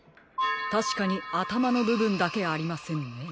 たしかにあたまのぶぶんだけありませんね。